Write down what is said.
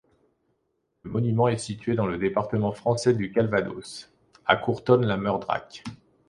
Le monument est situé dans le département français du Calvados, à Courtonne-la-Meurdrac.